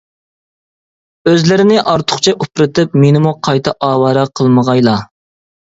ئۆزلىرىنى ئارتۇقچە ئۇپرىتىپ مېنىمۇ قايتا ئاۋارە قىلمىغايلا!